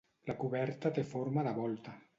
La coberta té forma de volta.